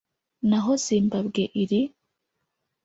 n’aho Zimbabwe iri